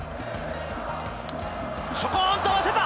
ちょこんと合わせた！